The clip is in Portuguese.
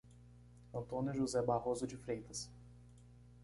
Antônio José Barroso de Freitas